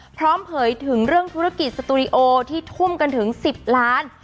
เผยถึงเรื่องธุรกิจสตูดิโอที่ทุ่มกันถึง๑๐ล้าน